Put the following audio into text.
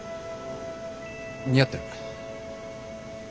似合ってる。